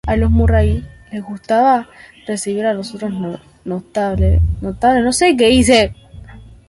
A los Murray los gustaba recibir a otros notables de la ciudad.